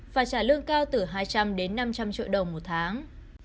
và trả lương cao từ hai trăm linh đến năm trăm linh triệu đồng một tháng